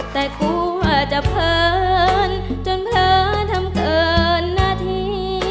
แต่กลัวจะเพลินจนเพลินทำเกินนาที